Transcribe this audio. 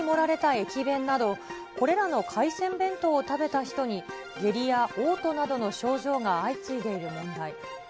駅弁など、これらの海鮮弁当を食べた人に下痢やおう吐などの症状が相次いでいる問題。